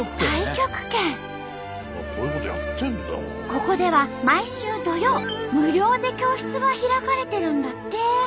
ここでは毎週土曜無料で教室が開かれてるんだって。